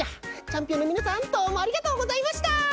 チャンピオンのみなさんどうもありがとうございました！